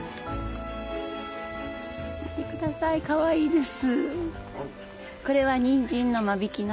見てくださいかわいいです。